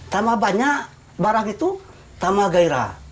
semakin banyak barang itu semakin gairah